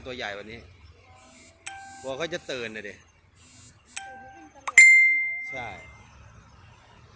ตัวใหญ่ว่านี่โว้ยเขาจะตื่อนดีถูกกลับวิ่งการเรียกตัวที่ไหน